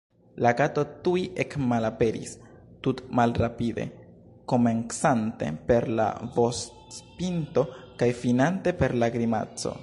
La kato tuj ekmalaperis tutmalrapide, komencante per la vostpinto kaj finante per la grimaco.